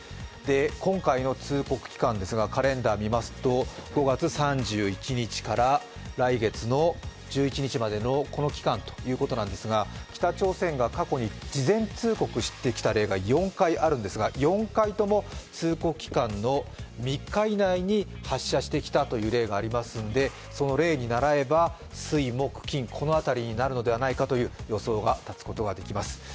今回の通告期間ですが、カレンダーを見ますと５月３１日から来月の１１日までのこの期間ということなんですが北朝鮮が過去に事前通告してきた例が４回あるんですが、４回とも通告期間の３日以内に発射してきた例がありますのでその例にならえば、水、木、金この辺りになるのではないかと予想を持つことができます。